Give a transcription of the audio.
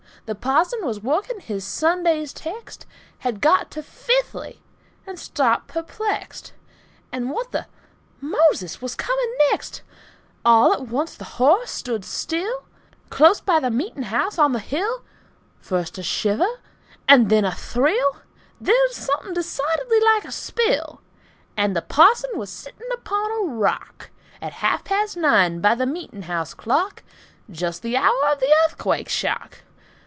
The parson was working his Sunday's text, Had got to fifthly, and stopped perplexed At what the Moses was coming next. All at once the horse stood still, Close by the meet'n' house on the hill. First a shiver, and then a thrill, Then something decidedly like a spill, And the parson was sitting upon a rock, At half past nine by the meet'n' house clock, Just the hour of the Earthquake shock!